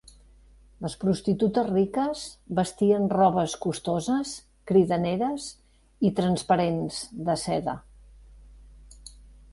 Les prostitutes riques vestien robes costoses, cridaneres i transparents de seda.